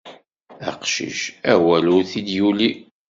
Aqcic, awal ur t-id-yuli.